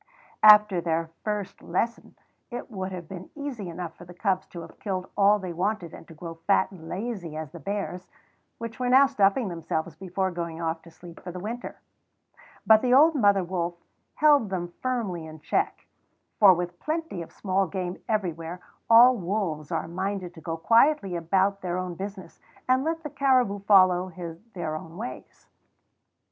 After their first lesson it would have been easy enough for the cubs to have killed all they wanted and to grow fat and lazy as the bears, which were now stuffing themselves before going off to sleep for the winter; but the old mother wolf held them firmly in check, for with plenty of small game everywhere, all wolves are minded to go quietly about their own business and let the caribou follow their own ways.